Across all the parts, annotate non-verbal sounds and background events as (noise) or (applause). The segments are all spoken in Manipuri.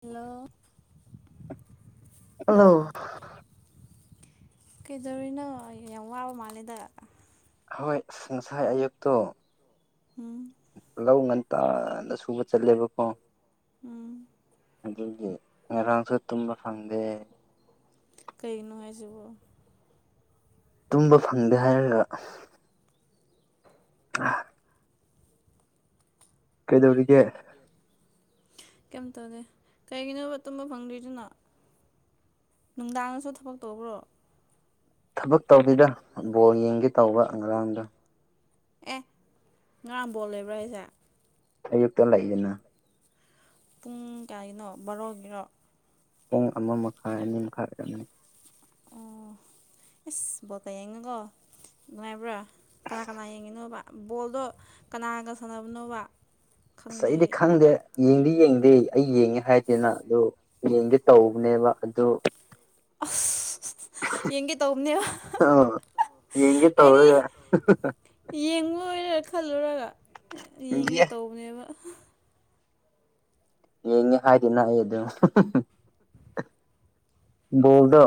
ꯍꯜꯂꯣ ꯍꯜꯂꯣ ꯀꯩꯗꯧꯔꯤꯅꯣ ꯌꯥꯝ ꯋꯥꯕ ꯃꯥꯜꯂꯦꯗ ꯍꯣꯏ ꯉꯁꯥꯏ ꯑꯌꯨꯛꯇꯣ ꯎꯝ ꯂꯧ ꯉꯟꯇꯥꯅ ꯁꯨꯕ ꯆꯠꯂꯦꯕꯀꯣ ꯎꯝ ꯑꯗꯨꯒꯤ ꯉꯔꯥꯡꯁꯨ ꯇꯨꯝꯕ ꯐꯪꯗꯦ ꯀꯩꯅꯣ ꯍꯥꯏꯁꯤꯕꯣ ꯇꯨꯝꯕ ꯐꯪꯗꯦ ꯍꯥꯏꯔꯒ ꯑꯁ ꯎ (unintelligible) ꯀꯩꯗꯧꯔꯤꯒꯦ ꯀꯩꯝ ꯇꯧꯗꯦ ꯀꯩꯒꯤꯅꯣꯕ ꯇꯨꯝꯕ ꯐꯪꯗꯔꯤꯗꯨꯅ ꯅꯨꯡꯗꯥꯡꯗꯁꯨ ꯊꯕꯛ ꯇꯧꯕꯔꯣ ꯊꯕꯛ ꯇꯧꯗꯦꯗ ꯕꯣꯜ ꯌꯦꯡꯒꯦ ꯇꯧꯕ ꯉꯔꯥꯡꯗ ꯑꯦ ꯉꯔꯥꯡ ꯕꫭꯜ ꯂꯩꯕꯔꫭ ꯍꯥꯏꯁꯦ ꯑꯌꯨꯛꯇ ꯂꯩꯌꯦꯅ ꯄꯨꯡ ꯀꯥꯏꯅꯣ ꯕꯥꯔꯣꯒꯤꯔꯣ ꯄꯨꯡ ꯑꯃ ꯃꯈꯥꯏ ꯑꯅꯤ ꯃꯈꯥꯏ ꯑꯣꯏꯔꯝꯅꯤ ꯑꯣ ꯏꯁ ꯕꯣꯜꯒ ꯌꯦꯡꯉꯤꯀꯣ ꯅꯨꯡꯉꯥꯏꯕ꯭ꯔꯥ ꯀꯅꯥ ꯀꯅꯥ ꯌꯦꯡꯉꯤꯅꯣꯕ ꯕꯣꯜꯗꯣ ꯀꯅꯥꯒ ꯁꯥꯟꯅꯕꯅꯣꯕ ꯑꯁ ꯈꯪꯗꯦ ꯑꯩꯗꯤ ꯑꯩ ꯈꯪꯗꯦ ꯌꯦꯡꯗꯤ ꯌꯦꯡꯗꯦ ꯑꯩ ꯌꯦꯡꯉꯦ ꯍꯥꯏꯗꯦꯅ ꯑꯗꯨ ꯌꯦꯡꯉꯦ ꯇꯧꯕꯅꯦꯕ ꯑꯗꯨ ꯑꯁ ꯌꯦꯡꯒꯦ ꯇꯧꯕꯅꯦꯕ ꯌꯦꯡꯒꯦ ꯑꯩꯗꯤ ꯇꯧꯔꯒ ꯌꯦꯡꯉꯣꯏꯔ ꯈꯜꯂꯨꯔꯒ ꯌꯦꯡꯒꯦ ꯇꯧꯕꯅꯦꯕ ꯌꯦꯡꯉꯦ ꯍꯥꯏꯗꯦꯅ ꯑꯩꯗꫭ ꯕꯣꯜꯗꯣ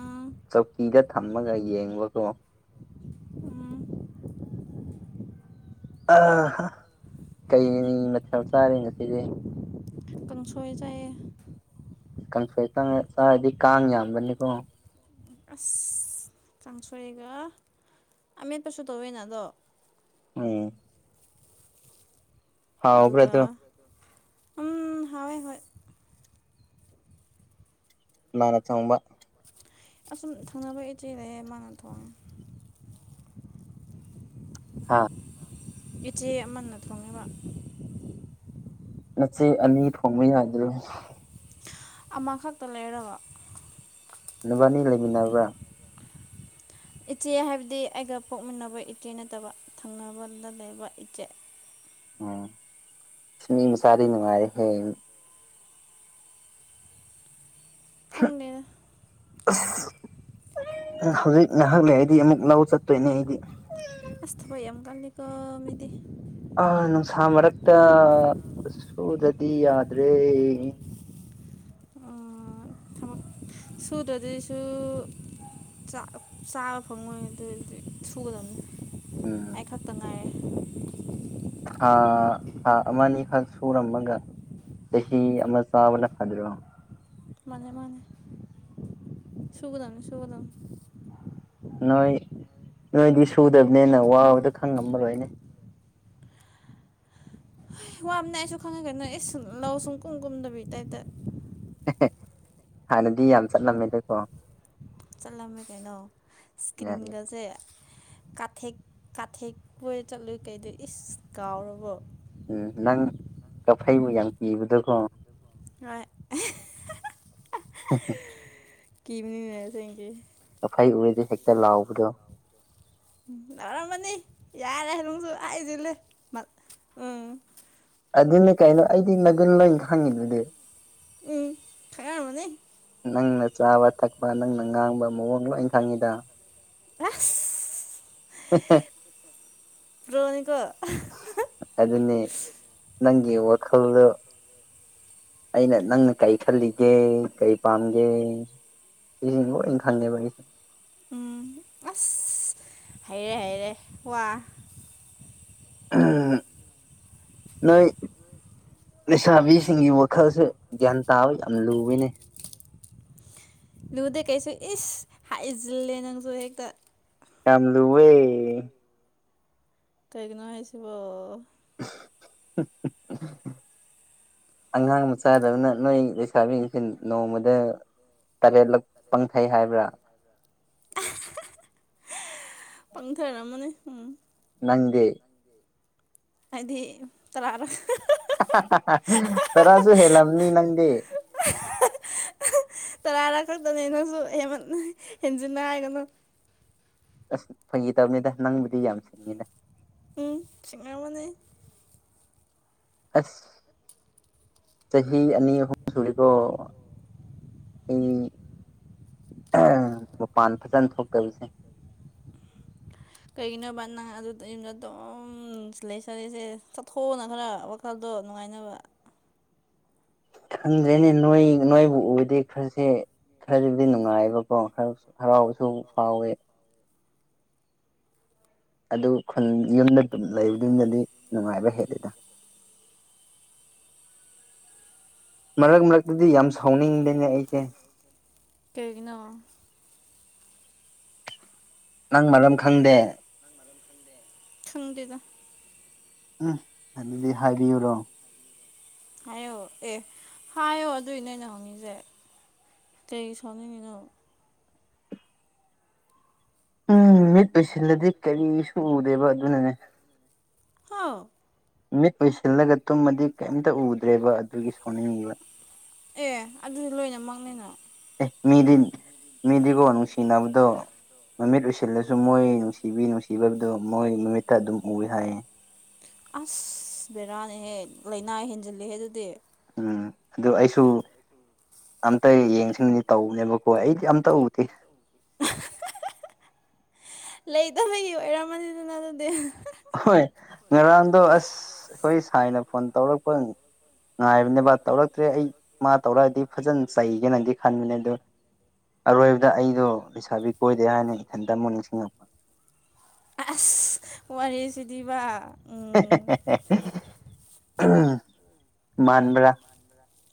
ꯑꯥ ꯆꯧꯀꯤꯗ ꯊꯝꯃꯒ ꯌꯦꯡꯕꯀꯣ ꯎꯝ ꯑ ꯍꯥ ꯀꯩ ꯃꯊꯦꯜ ꯆꯥꯔꯦ ꯉꯁꯤꯗꯤ ꯀꯥꯡ ꯁꯣꯏ ꯆꯥꯏꯌꯦ ꯀꯥꯡ ꯁꫭꯏꯆꯥ ꯆꯥꯔꯗꯤ ꯀꯥꯡ ꯌꯥꯝꯕꯅꯤꯀꯣ ꯑꯁ ꯀꯥꯡꯁꯣꯏꯒ ꯑꯃꯦꯠꯄꯁꯨ ꯇꯧꯋꯤꯅ ꯑꯗꯣ ꯎꯝ ꯍꯥꯎꯕ꯭ꯔꯥ ꯑꯗꯨꯒ ꯑꯗꯨ ꯎꯝ ꯍꯥꯎꯋꯦ ꯍꯣꯏ ꯂꯅ ꯆꯪꯕ ꯑꯁꯨꯝ ꯊꯪꯅꯕ ꯏꯆꯦ ꯂꯩꯌꯦ ꯃꯥꯅ ꯊꯣꯡꯉꯦ ꯍꯥꯥ ꯏꯆꯦ ꯑꯃꯅ ꯊꯣꯡꯉꯦꯕ ꯅꯆꯦ ꯑꯅꯤ ꯊꯣꯡꯕ ꯌꯥꯏꯗ꯭ꯔꯦ ꯑꯃꯈꯛꯇ ꯂꯩꯔꯒ ꯅꯨꯕꯥꯅꯤ ꯂꯩꯃꯤꯟꯅꯕ꯭ꯔꯥ ꯏꯆꯦ ꯍꯥꯏꯕꯗꯤ ꯑꯩꯒ ꯄꯣꯛꯃꯤꯟꯅꯕ ꯏꯆꯦ ꯅꯠꯇꯕ ꯊꯪꯅꯕꯗ ꯂꯩꯕ ꯏꯆꯦ ꯎꯝ ꯃꯤ ꯃꯆꯥꯂꯤ ꯅꯨꯡꯉꯥꯏꯔꯦꯍꯦ ꯈꯪꯗꯦꯗ ꯑꯁ ꯍꯧꯖꯤꯛ ꯉꯍꯥꯛ ꯂꯩꯔꯗꯤ ꯑꯃꯨꯛ ꯂꯧ ꯆꯠꯇꯣꯏꯅꯦ ꯑꯩꯗꯤ ꯑꯁ ꯌ ꯀꯂꯤ ꯀꯣꯃꯤꯗꯤ ꯑ ꯅꯨꯡꯁꯥ ꯃꯔꯛꯇ ꯁꯨꯗꯗꯤ ꯌꯥꯗ꯭ꯔꯦ ꯑ ꯊꯃꯛ ꯁꯨꯗꯗꯤꯁꯨ ꯆꯥꯕ ꯐꯪꯉꯣꯏ ꯑꯗꯨꯗꯤ ꯁꯨꯒꯗꯕꯅꯤ ꯎꯝ ꯑꯩ ꯈꯛꯇ ꯉꯥꯏꯔꯦ ꯊꯥ ꯊꯥ ꯑꯃꯅꯤ ꯑꯅꯤꯈꯛ ꯁꯨꯔꯝꯃꯒ ꯁ ꯍ ꯑꯃ ꯆ ꯋꯥꯕꯂ ꯐꯥꯜ꯭ꯔ ꯃꯥꯅꯦ ꯃꯥꯅꯦ ꯁꯨꯒꯗ ꯁꯨꯒꯗꯝ ꯅꯣꯏ ꯅꯣꯏꯗꯤ ꯁꯨꯗꯕꯅꯦꯅ ꯋꯥꯕꯗ ꯈꯪꯉꯝꯕ ꯂꯣꯏꯅꯦ ꯋꯥꯕꯅ ꯑꯩꯁꯨ ꯈꯪꯉ ꯀ ꯅꯪ ꯑꯦ ꯁꯨꯝ ꯂꯧꯎ ꯁꯨꯝ ꯀꯨꯝ ꯀꯨꯝꯗꯕꯤ ꯇꯥꯏꯞꯇ ꯍꯥꯟꯅꯗꯤ ꯌꯥꯝ ꯆꯠꯂꯝꯃꯦꯗꯀꯣ ꯆꯠꯂꯝꯃꯦ ꯀꯩꯅꯣ ꯌꯥꯏ ꯏꯁ꯭ꯀꯤꯟꯒꯁꯦ ꯀꯥꯊꯦꯛ ꯀꯥꯊꯦꯛꯄ ꯆꯠꯂꯨꯏ ꯀꯩꯗꯣ ꯏꯁ ꯀꯥꯎꯔꯕꯣ ꯎꯝ ꯅꯪ ꯀꯐꯩꯕꯨ ꯌꯥꯝ ꯀꯤꯕꯗꯀꯣ ꯍꯣꯏ ꯍ ꯍꯣ ꯀ ꯃꯤꯅꯤꯅꯦꯁꯦꯡꯒ ꯑꯐꯩ ꯎꯔꯗꯤ ꯍꯦꯛꯇ ꯂꯥꯎꯕꯗꯣ ꯎꯝ ꯌꯥꯎꯔꯝꯃꯅꯤ ꯌꯥꯔꯦ ꯑꯗꯨꯅꯨꯡꯁꯨ ꯑꯩꯁꯤꯂ ꯎꯝ ꯑꯗꯨꯅ ꯀꯩꯅꯣ ꯑꯩꯗꯤ ꯅꯒꯨꯟ ꯂꯣꯏ ꯈꯪꯉꯤꯗꯨꯗꯤ ꯎꯝ ꯊꯥꯏꯔ ꯃꯅꯦ ꯅꯪꯅ ꯆꯥꯕ ꯊꯛꯄ ꯅꯪꯅ ꯉꯥꯡꯕ ꯃꯑꯣꯡ ꯂꯣꯏ ꯈꯪꯉꯤꯗ ꯑꯁ ꯎꯦ ꯔꯣꯅꯤꯀ ꯑꯗꯨꯅꯤ ꯅꯪꯒꯤ ꯋꯥꯈꯜꯗꯨ ꯑꯩꯅ ꯅꯪꯅ ꯀꯔꯤ ꯈꯜꯂꯤꯒꯦ ꯀꯩ ꯄꯥꯝꯒꯦ ꯁꯤꯡ ꯈꯪꯅꯦꯕ ꯎꯝ ꯑ ꯍꯩꯔꯦ ꯍꯥꯏꯔꯦ ꯋꯥ ꯎꯝ ꯅ ꯂꯩꯁꯥꯕꯤꯁꯤꯡꯒꯤ ꯋꯥꯈꯜꯁꯦ ꯒ꯭ꯌꯥꯟ ꯇꯥꯕ ꯌꯥꯝꯅ ꯂꯨꯕꯅꯤ ꯂꯨꯗ ꯀꯩꯁꯨ ꯏꯁ ꯍꯥꯏ ꯏꯁꯤꯜꯂꯦ ꯅꯪꯁꯨ ꯍꯦꯛꯇ ꯀꯝꯗꯨꯨꯋꯦ ꯀꯥꯏꯒꯤꯅ ꯍꯥꯏꯁꯤꯕ (unintelligible) ꯑꯉꯥꯡ ꯃꯆꯥꯗꯧꯅ ꯅꯣꯏ ꯂꯩꯁꯥꯕꯤꯁꯦ ꯅꯣꯡꯃꯗ ꯇꯔꯦꯠꯂꯛ ꯄꯪꯊꯩ ꯍꯥꯏꯕ꯭ꯔꯥ ꯄꯥꯡꯊꯔꯝꯃꯅꯦ ꯎꯝ ꯅꯪꯗꯦ ꯍꯥꯏꯗꯤ ꯇꯔꯥꯔ ꯇꯔꯥꯁꯨ ꯍꯦꯜꯂꯝꯅꯤ ꯅꯪꯗꯤ (unintelligible) ꯇꯔꯥꯔꯥ ꯈꯛꯇꯅꯦ ꯑꯩꯅꯁꯨ ꯑꯌꯥꯝꯃ ꯍꯦꯟꯖꯤꯟꯅ ꯍꯥꯏꯒꯅꯨ ꯑꯁ ꯐꯩꯈꯤ ꯇꯕꯅꯤꯗ ꯅꯪꯕꯨꯗꯤ ꯌꯥꯝ ꯁꯤꯡꯉꯤꯅ ꯎꯝ ꯁꯤꯁꯤꯡꯉꯔ ꯃꯅꯦ ꯑꯁ ꯆꯍꯤ ꯑꯅꯤ ꯑꯍꯨꯝ ꯁꯨꯔꯤꯀꯣ ꯑꯩ ꯃꯄꯥꯟ ꯐꯖꯅ ꯊꯣꯛꯇꯔꯤꯁꯦ ꯀꯩꯒꯤꯅꯣꯕꯅ ꯑꯗꯨꯗ ꯌꯨꯝꯗ ꯑꯗꯨꯝ ꯁꯤꯂꯩ ꯁꯥꯂꯁꯦ ꯆꯠꯊꯣꯛꯅ ꯈꯔ ꯏꯐꯜꯗꯣ ꯅꯨꯡꯉꯥꯏꯅꯕ ꯈꯪꯗ꯭ꯔꯦꯅꯦ ꯅꯣꯏ ꯅꯣꯏꯕꯨ ꯎꯕꯗꯤ ꯈꯔꯁꯦ ꯈꯔꯁꯤꯕꯨꯗꯤ ꯅꯨꯡꯉꯥꯏꯕꯀꯣ ꯈꯔ ꯍꯔꯥꯎꯕꯁꯨ ꯐꯥꯎꯋꯦ ꯑꯗꯨ ꯈꯨꯟ ꯌꯨꯝꯗ ꯑꯗꯨꯝ ꯂꯩꯕꯗꯨꯗꯗꯤ ꯅꯨꯡꯉꯥꯏꯕ ꯍꯦꯜꯂꯤꯦꯗ ꯃꯔꯛ ꯃꯔꯛꯇꯗꯤ ꯌꯥꯝ ꯁꯥꯎꯅꯤꯡꯗꯦꯅꯦ ꯑꯩꯁꯦ ꯀꯩꯒꯤꯅꯔꯣ ꯅꯪ ꯃꯔꯝ ꯈꯪꯗꯦ ꯈꯪꯗꯦꯗ ꯎꯝ ꯑꯗꯨꯗꯤ ꯍꯥꯏꯕꯤꯌꯨꯔꯣ ꯍꯥꯏꯌꯣ ꯑꯦ ꯍꯥꯏꯌꯣ ꯑꯗꯨꯏ ꯅꯣꯏꯩꯅ ꯍꯪꯉꯤꯁꯦ ꯀ ꯁꯅꯤꯡꯉꯅꯣ ꯎꯝ ꯃꯤꯠ ꯑꯣꯏꯁꯤꯜꯂꯗꯤ ꯀꯔꯤꯁꯨ ꯎꯗꯦꯕ ꯑꯗꯨꯅꯅꯦ ꯍꯥꯎ ꯃꯤꯠ ꯑꯣꯏꯁꯤꯜꯂꯒ ꯇꯨꯝꯃꯗꯤ ꯀꯩꯝꯇ ꯎꯗ꯭ꯔꯦꯕ ꯑꯗꯨꯒꯤ ꯁꯥꯎꯅꯤꯡꯉꯤꯕ ꯑꯦ ꯑꯗꯨꯗꯤ ꯂꯣꯏꯅꯃꯛꯅꯤꯅ ꯃꯤꯗꯤ ꯃꯤꯗꯤ ꯀ ꯑꯁꯤ ꯅꯨꯡ ꯆꯤꯡꯅꯕꯗꯣ ꯃꯃꯤꯠ ꯎꯁꯤꯜꯂꯁꯨ ꯃꯣꯏ ꯅꯨꯡꯁꯤꯕꯤ ꯅꯨꯡꯁꯤ ꯀꯤꯕꯔꯗꯣ ꯃꯣꯏ ꯃꯃꯤꯠꯇ ꯑꯗꯨꯝ ꯎꯏ ꯍꯥꯏꯌꯦ ꯑꯁ ꯕꯦꯔꯥꯅꯦꯍꯦ ꯂꯥꯏꯅꯥ ꯍꯦꯟꯖꯤꯜꯂꯍꯦ ꯑꯗꯨꯗꯤ ꯎꯝ ꯑꯗꯨ ꯑꯩꯁꯨ ꯑꯝꯇ ꯌꯦꯡꯁꯤꯕꯅꯤ ꯇꯧꯕꯅꯦꯕꯀꯣ ꯑꯩꯗꯤ ꯑꯝꯇ ꯎꯗꯦ ꯂꯩꯗ ꯍꯩꯒꯤ ꯑꯣꯏꯔꯝꯃꯅꯤꯗꯅ ꯑꯗꯨꯗꯤ ꯍꯣꯏ ꯉꯔꯥꯡꯗꯣ ꯑꯁ ꯑꯩꯈꯣꯏ ꯁꯥꯏꯅ ꯐꯣꯟ ꯇꯧꯔꯛꯄ ꯉꯥꯏꯕꯅꯦꯕ ꯇꯧꯔꯛꯇ꯭ꯔꯦ ꯑꯩ ꯃꯥ ꯇꯧꯔꯛꯑꯗꯤ ꯐꯖꯅ ꯆꯩꯒꯦꯅꯗꯤ ꯈꯟꯕꯅꯦ ꯑꯗꯨꯣ ꯑꯔꯣꯏꯕꯗ ꯑꯩꯗꯣ ꯂꯩꯁꯥꯕꯤ ꯀꯣꯏꯗꯦ ꯍꯥꯏꯅ ꯏꯊꯟꯇ ꯑꯃꯨꯛ ꯅꯤꯡꯁꯤꯡꯉꯛꯨ ꯑꯁ ꯋꯥꯔꯤꯁꯤꯗꯤꯕ ꯎꯝ ꯃꯥꯟꯕ꯭ꯔꯥ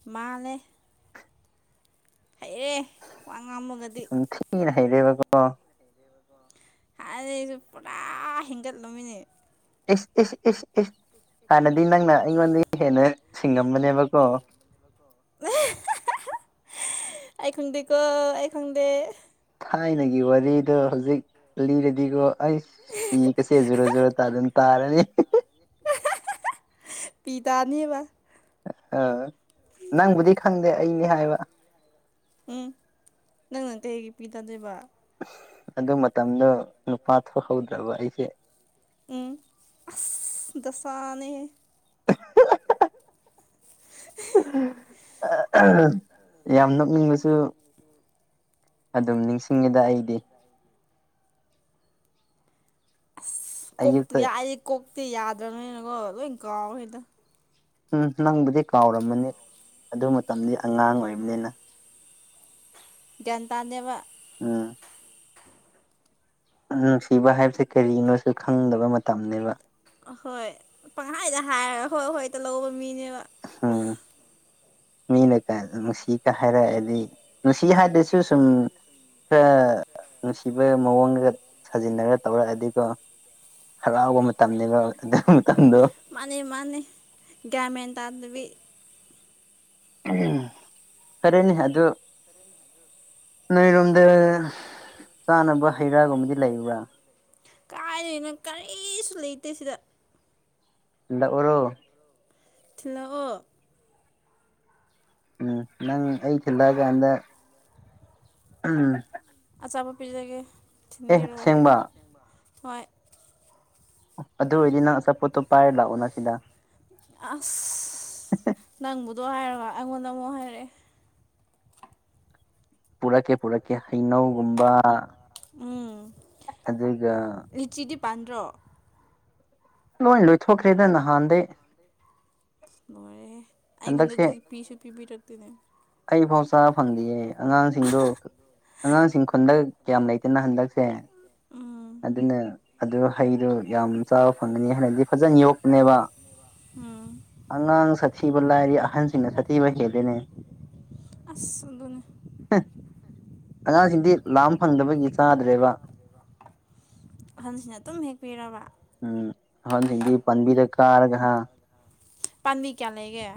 ꯃꯥꯂꯦ ꯍꯩꯑꯦ ꯋꯥ ꯉꯥꯝꯃꯒꯗꯤ ꯌꯥꯝ ꯊꯤꯅ ꯍꯩꯔꯦꯕꯀꯣ ꯑ ꯑꯩꯁꯨ ꯄꯨꯔꯥ ꯍꯦꯟꯒꯠꯂꯝꯨꯃꯤꯅꯦ ꯏꯁ ꯏꯁ ꯏꯁ ꯏꯁ ꯍꯥꯟꯅꯗꯤ ꯅꯪꯅ ꯑꯩꯉꯣꯟꯗꯒꯤ ꯍꯦꯟꯅ ꯁꯤꯡꯉꯝꯕꯅꯦꯕꯀꯣ ꯑꯩ ꯈꯪꯗꯦꯀꯣ ꯑꯩ ꯈꯪꯗꯦ ꯊꯥꯏꯅꯒꯤ ꯋꯥꯔꯤꯗꯣ ꯍꯧꯖꯤꯛ ꯂꯤꯔꯗꯤꯀꯣ ꯑꯩꯁ ꯃꯤ ꯀꯁꯤꯖꯔꯖꯨꯔ ꯇ ꯑꯗꯨꯟ ꯇꯥꯔꯅꯤ ꯄꯤ ꯇꯥꯅꯤꯕ ꯑꯥ ꯅꯪꯕꯨꯗꯤ ꯈꯪꯗꯦ ꯑꯩꯅꯤ ꯍꯥꯏꯕ ꯎꯝ ꯅꯪꯅ ꯀꯩꯒꯤ ꯄꯤꯗꯗꯣꯏꯕ ꯑꯗꯨ ꯃꯇꯝꯗꯣ ꯅꯨꯄꯥ ꯊꯣꯛꯍꯧꯗ꯭ꯔꯕ ꯑꯩꯁꯦ ꯎꯝ ꯑ ꯗꯁꯥꯅꯦ (inaudible) ꯌꯥꯝ ꯅꯣꯛꯅꯤꯡꯕꯁꯨ ꯑꯗꯨꯝ ꯅꯤꯡꯁꯤꯡꯉꯤꯗ ꯑꯩꯗꯤ ꯀꯣꯛꯇ ꯑꯌꯨꯛꯇ ꯌꯥꯏ ꯀꯣꯛꯇꯤ ꯌꯥꯗ꯭ꯔꯅꯣꯏꯅꯀꯣ ꯂꯣꯏ ꯀꯥꯎꯋꯦꯗ ꯎꯝ ꯅꯪꯕꯨꯗꯤ ꯀꯥꯎꯔꯝꯃꯅꯤ ꯑꯗꯨ ꯃꯇꯝꯗꯤ ꯑꯉꯥꯡ ꯑꯣꯏꯕꯅꯤꯅ ꯒ꯭ꯌꯥꯟ ꯇꯥꯅꯕ ꯎꯝ ꯅꯨꯡꯁꯤꯕ ꯍꯥꯏꯕꯁꯦ ꯀꯔꯤꯅꯣꯁꯨ ꯈꯪꯗꯕ ꯃꯇꯝꯅꯦꯕ ꯑꯍꯣꯏ ꯄꯪꯍꯥꯏꯗ ꯍꯥꯏꯔꯒ ꯍꯣꯏ ꯍꯣꯏ ꯇꯍꯧꯕ ꯃꯤꯅꯦꯕ ꯍꯥꯥ ꯃꯤꯅ ꯅꯨꯡꯁꯤꯒ ꯍꯥꯏꯔꯛꯑꯗꯤ ꯅꯨꯡꯁꯤ ꯍꯥꯏꯗꯁꯨ ꯁꯨꯝ ꯈꯔ ꯅꯨꯡꯁꯤꯕ ꯃꯑꯣꯡꯒ ꯁꯥꯖꯤꯟꯅꯔ ꯇꯧꯔꯛꯑꯗꯤꯀꯣ ꯍꯔꯥꯎꯕ ꯃꯇꯝꯅꯤꯅꯦꯕ ꯑꯗꯨ ꯃꯇꯝꯗꯣ ꯃꯥꯅꯦ ꯃꯥꯅꯤ ꯒꯌꯥꯟ ꯃꯦꯟꯗꯕꯤ ꯎꯝ ꯐꯔꯦꯅꯤ ꯑꯗꯨ ꯅꯣꯏꯔꯣꯝꯗ ꯆꯥꯅꯕ ꯍꯩ ꯔꯥꯒꯨꯝꯕꯗꯤ ꯂꯩꯕ꯭ꯔꯥ ꯍꯥꯏꯗꯅ ꯀꯔꯤꯁꯨ ꯂꯩꯇꯦ ꯁꯤꯗ ꯊꯤꯟꯂꯛ꫰ꯑꯣꯔꯣ ꯊꯤꯜꯂꯥꯛꯑꯣ ꯎꯝ ꯅꯪ ꯑꯩ ꯊꯤꯜꯂꯛꯑꯀꯥꯟꯗ ꯎꯝ ꯑꯆꯥꯕꯣ ꯄꯤꯖꯒꯦ ꯑꯦ ꯊꯤꯟꯕꯤꯔꯛꯑꯣ ꯑꯁꯦꯡꯕ ꯍꯣꯏ ꯑꯗꯨ ꯑꯣꯏꯔꯗꯤ ꯅꯪ ꯑꯆꯥꯄꯣꯠꯇꯣ ꯄꯥꯏꯔ ꯂꯥꯛꯑꯣ ꯅ ꯁꯤꯗ ꯑꯁ ꯅꯪꯕꯨꯗꯣ ꯍꯥꯏꯔꯕ ꯑꯩꯉꯣꯟꯗ ꯑꯃꯨꯛ ꯍꯥꯏꯔꯛꯑꯦ ꯄꯨꯔꯛꯀꯦ ꯄꯨꯔꯛꯀꯦ ꯍꯩꯅꯧꯒꯨꯝꯕ ꯎꯝ ꯑꯗꯨꯒ ꯂꯤꯆꯤꯗꯤ ꯄꯥꯟꯗ꯭ꯔꯣ ꯂꯣꯏ ꯂꯣꯏꯊꯣꯛꯈ꯭ꯔꯦꯗ ꯅꯍꯥꯟꯗꯩ ꯂꯣꯏꯣꯔꯦ ꯍꯟꯗꯛꯁꯦ ꯑꯩꯉꯣꯟꯗꯗꯤ ꯄꯤꯁꯨ ꯄꯤꯕꯤꯔꯛꯇꯦꯅꯦ ꯑꯩꯐꯥꯎ ꯆꯥꯕ ꯐꯪꯗꯦꯌꯦ ꯑꯉꯥꯡꯁꯤꯡꯗꯣ ꯑꯉꯥꯡꯁꯤꯡ ꯈꯨꯣꯟꯗꯛ ꯀꯌꯥꯝ ꯂꯩꯇꯦꯅ ꯍꯟꯗꯛꯁꯦ ꯎꯝ ꯑꯗꯨꯅ ꯑꯗꯨ ꯍꯩꯗꯨꯣ ꯌꯥꯝ ꯆꯥꯕ ꯐꯪꯒꯅꯤ ꯍꯥꯏꯅꯗꯤ ꯐꯖꯅ ꯌꯣꯛꯄꯅꯦꯕ ꯎꯝ ꯑꯉꯥꯡ ꯁꯥꯊꯤꯕ ꯂꯥꯏꯔꯤ ꯑꯍꯟꯁꯤꯡꯅ ꯁꯥꯊꯤꯕ ꯍꯦꯜꯂꯤꯅꯤ ꯁꯗꯅꯤ ꯑꯉꯥꯡꯁꯤꯡꯗꯤ ꯂꯥꯝ ꯐꯪꯗꯕꯒꯤ ꯆꯥꯗ꯭ꯔꯦꯕ ꯑꯍꯟꯁꯤꯅ ꯑꯗꯨꯝ ꯍꯦꯛꯄꯤꯔꯕ ꯎꯝ ꯍꯟꯁꯤꯡꯗꯤ ꯄꯟꯕꯤꯗ ꯀꯥꯔꯒ ꯍꯥ ꯄꯥꯝꯕꯤ ꯀꯌꯥ ꯂꯩꯒꯦ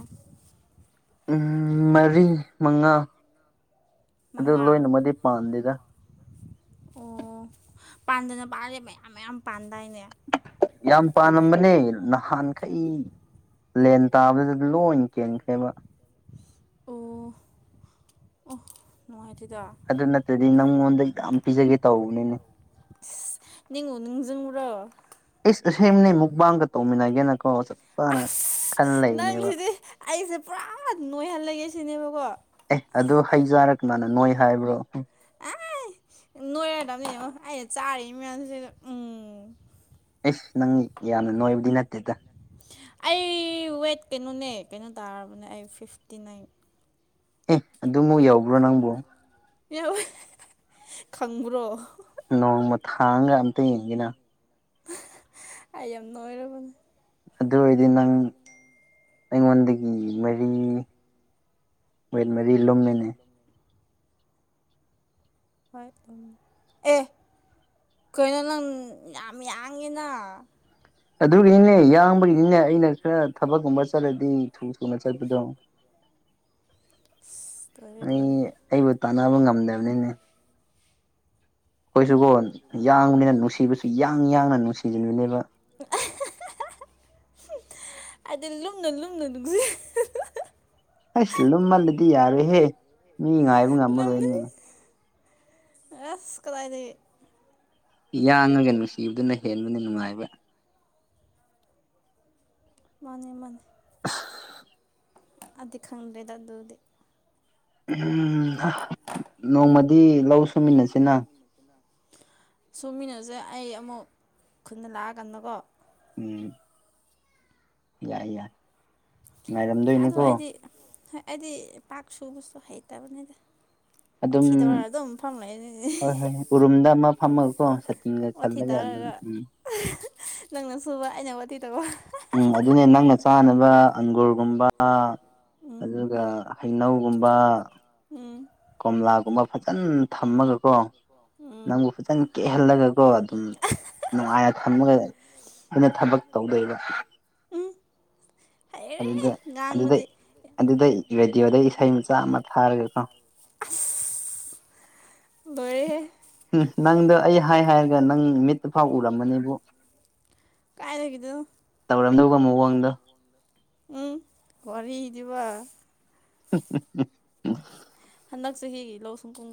ꯃꯔꯤ ꯃꯉꯥ ꯑꯗꯨ ꯃꯉꯥ ꯂꯣꯏꯅꯃꯗꯤ ꯄꯥꯟꯗꯦꯗ ꯑꯣ ꯄꯥꯟꯗꯅ ꯄꯥꯂ ꯂꯦ ꯃꯌꯥꯝ ꯃꯌꯥꯝ ꯄꯥꯟꯗꯥꯏꯅꯦ ꯌꯥꯝ ꯄꯥꯝꯂꯝꯝꯕꯅꯦ ꯅꯍꯥꯟꯈꯩ ꯂꯦꯟ ꯇꯥꯕꯗ ꯂꯣꯏ ꯀꯦꯟꯈ꯭ꯔꯦꯕ ꯑꯣ ꯅꯨꯡꯉꯥꯏꯇꯗ ꯑꯗꯨ ꯅꯠꯇꯗꯤ ꯅꯪꯉꯣꯟꯗ ꯌꯥꯝ ꯄꯤꯖꯒꯦ ꯇꯧꯕꯅꯤꯅꯦ ꯅꯤꯡꯉꯣ ꯅꯖꯕꯔꯣ ꯑꯦ ꯑꯁꯅꯦ ꯃꯨꯛꯕꯥꯡꯒ ꯇꯧꯃꯤꯟꯅꯒꯦꯅꯀꯣ ꯆꯞ ꯆꯥꯅ ꯑꯁ ꯈꯟ ꯂꯩꯕꯅꯦꯕ ꯅꯪꯁꯤꯗꯤ ꯑꯩꯁꯦ ꯄꯨꯔꯥ ꯅꯣꯏꯍꯜꯂꯒꯦ ꯁꯤꯅꯦꯕꯀꯣ ꯑꯦ ꯑꯗꯨ ꯍꯩꯖꯥꯔꯛꯅ ꯅꯣꯏ ꯍꯥꯏꯕ꯭ꯔꯣ ꯅꯣꯏꯔꯗꯕꯅꯦꯕꯣ ꯑꯩꯅ ꯆꯥꯔꯤ ꯃꯌꯥꯝꯁꯤꯗ ꯎꯝ ꯑꯦꯁ ꯅꯪ ꯌꯥꯝꯅ ꯅꯣꯏꯕꯗꯤ ꯅꯠꯇꯦꯗ ꯑꯩ ꯋꯦꯠ ꯀꯩꯅꯣꯅꯦ ꯀꯩꯅꯣ ꯇꯥꯔꯕꯅꯦ ꯑꯩ ꯐꯤꯐꯇꯤ ꯅꯥꯏꯟ ꯑꯦ ꯑꯗꯨꯃꯨꯛ ꯌꯥꯎꯕ꯭ꯔꯣ ꯅꯪꯕꯨ ꯌꯥꯎ ꯈꯪꯕ꯭ꯔꯣ ꯅꯣꯡꯃ ꯊꯥꯡꯒ ꯑꯝꯇ ꯌꯦꯡꯒꯅ ꯑꯩ ꯌꯥꯝ ꯅꯣꯏꯔꯕꯅꯤ ꯑꯗꯨ ꯑꯣꯏꯔꯗꯤ ꯅꯪ ꯑꯩꯉꯣꯟꯗꯒꯤ ꯃꯔꯤ ꯋꯦꯠ ꯃꯔꯤ ꯂꯨꯝꯃꯤꯅꯦ ꯍꯣꯏ ꯑꯦ ꯀꯩꯅꯣ ꯅꯪ ꯌꯥꯝ ꯌꯥꯡꯉꯤꯅ ꯑꯗꯨꯒꯤꯅꯤꯅꯦ ꯌꯥꯡꯕꯒꯤꯅꯤꯅꯦ ꯑꯩꯅ ꯈꯔ ꯊꯕꯛꯀꯨꯝꯕ ꯆꯠꯂꯗꯤ ꯊꯨ ꯊꯨꯅ ꯆꯠꯄꯗꯣ ꯑꯁ ꯂꯣꯏꯔꯦ ꯑꯩ ꯂꯣꯏꯔꯦ ꯑꯩꯕꯨ ꯇꯥꯟꯅꯕ ꯉꯝꯗꯕꯅꯤꯅꯦ ꯑꯩꯈꯣꯏꯁꯨꯒꯣ ꯌꯥꯡꯕꯅꯤꯅ ꯅꯨꯡꯁꯤꯕꯁꯨ ꯌꯥꯡ ꯌꯥꯡꯅ ꯅꯨꯡꯁꯤꯖꯟꯕꯅꯦꯕ (inaudible) ꯑꯩꯗꯤ ꯂꯨꯝꯅ ꯂꯨꯝꯅ ꯅꯨꯡꯁꯤ ꯑꯁ ꯂꯨꯝꯃꯜꯂꯗꯤ ꯌꯥꯔꯣꯏꯍꯦ ꯃꯤ ꯉꯥꯏꯕ ꯂꯨꯝꯅ ꯉꯝꯃꯔꯣꯏꯅꯦ ꯑꯁ ꯀꯗꯥꯥꯏꯗꯩ ꯌꯥꯡꯉꯒ ꯅꯨꯡꯁꯤꯕꯗꯨꯅ ꯍꯦꯟꯕꯅꯦ ꯅꯨꯡꯉꯥꯏꯕ ꯃꯥꯅꯦ ꯃꯥꯅꯦ (unintelligible) ꯑꯗꯨꯗꯤ ꯈꯪꯗ꯭ꯔꯦꯗ ꯑꯗꯨꯗꯤ ꯎꯝ ꯅꯣꯡꯃꯗꯤ ꯂꯧ ꯁꯨꯃꯤꯟꯅꯁꯤꯅ ꯁꯨꯃꯤꯅꯁꯦ ꯑꯩ ꯑꯃꯨꯛ ꯈꯨꯟꯅ ꯂꯥꯛꯑꯀꯥꯟꯗꯀꯣ ꯎꯝ ꯌꯥꯏ ꯌꯥꯏ ꯑꯗꯣ ꯉꯥꯏꯔꯝꯗꯣꯏꯅꯤꯀꯣ ꯑꯩꯗꯤ ꯑꯩꯗꯤ ꯄꯥꯛ ꯁꯨꯕꯁꯨ ꯍꯩꯇꯕꯅꯤꯗ ꯑꯗꯨꯝ ꯋꯥꯊꯤ ꯇꯧꯔ ꯑꯗꯨꯝ ꯐꯝ ꯍꯣꯏ ꯍꯣꯏ ꯎꯔꯨꯝꯗ ꯑꯃ ꯐꯥꯝꯃꯒꯀꯣ ꯋꯥꯊꯤ ꯇꯧꯔꯒ ꯅꯪꯅ ꯁꯨꯕ ꯑꯩꯅ ꯋꯥꯊꯤ ꯇꯧꯕ ꯎꯝ ꯑꯗꯨꯅꯦ ꯅꯪꯅ ꯆꯥꯅꯕ ꯑꯪꯒꯨꯔꯒꯨꯝꯕ ꯎꯝ ꯑꯗꯨꯒ ꯍꯩꯅꯧꯒꯨꯝꯕ ꯍꯝ ꯀꯣꯝꯂꯥꯒꯨꯝꯕ ꯐꯖꯅ ꯊꯝꯃꯒꯀꯣ ꯎꯝ ꯅꯪꯕꯨ ꯐꯖꯅ ꯀꯦꯛꯍꯜꯂꯒꯀꯣ ꯑꯗꯨꯝ ꯅꯨꯡꯉꯥꯏꯅ ꯊꯝꯃꯒ ꯑꯩꯅ ꯊꯕꯛ ꯇꯧꯗꯣꯏꯕ ꯍꯩꯔꯦ ꯑꯗꯨꯗ ꯑꯗꯨꯗ ꯉꯥꯡꯕꯗꯤ ꯑꯗꯨꯗ ꯔꯦꯗꯤꯑꯣꯗ ꯏꯁꯩ ꯃꯆꯥ ꯑꯃ ꯊꯥꯔꯒꯦꯀꯣ ꯂꯣꯏꯔꯦꯍꯦ ꯎꯝ ꯅꯪꯗ ꯑꯩ ꯍꯥꯏ ꯍꯥꯏꯔꯒ ꯅꯪ ꯃꯤꯠꯇ ꯐꯥꯎ ꯎꯔꯝꯃꯅꯦꯕꯨ ꯀꯥꯏꯗꯒꯤꯅꯣ ꯃꯑꯣꯡꯗꯣ ꯎꯝ ꯋꯥꯔꯤꯗꯤꯕ ꯎ ꯍꯟꯗꯛ ꯆꯍꯤꯒꯤ ꯂꯧ ꯁꯨꯝ ꯄꯨꯡ